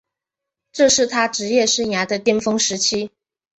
这是他职业生涯的巅峰时期。